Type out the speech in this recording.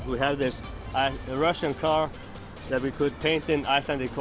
kita memiliki mobil rusia yang bisa dipainkan di kolam islandia